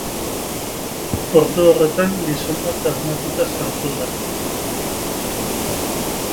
Ordu horretan, gizon bat armatuta sartu da.